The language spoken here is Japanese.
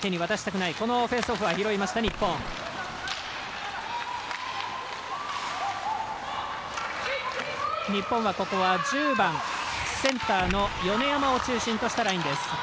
日本は１０番、センターの米山を中心としたラインです。